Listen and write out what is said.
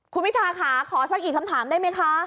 คุณพิทาค่ะขอสักอีกคำถามได้ไหมคะ